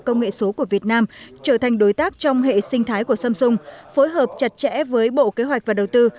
công nghệ số của việt nam trở thành đối tác trong hệ sinh thái của samsung phối hợp chặt chẽ với bộ kế hoạch và đầu tư